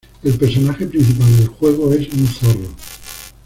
El personaje principal del juego es un zorro.